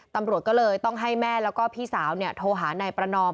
ตำรวจก็เลยต้องให้แม่แล้วก็พี่สาวโทรหานายประนอม